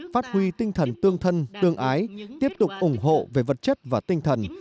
phát huy tinh thần tương thân tương ái tiếp tục ủng hộ về vật chất và tinh thần